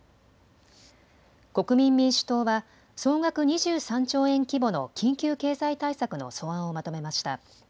国民民主党は総額２３兆円規模の緊急経済対策の素案をまとめました。